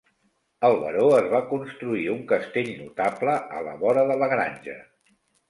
El baró es va construir un castell notable a la vora de la granja.